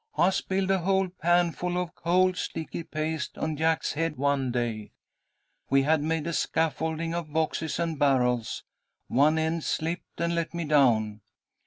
I spilled a whole panful of cold, sticky paste on Jack's head one day. We had made a scaffolding of boxes and barrels. One end slipped and let me down.